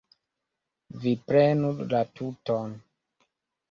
Vi prenu la tuton.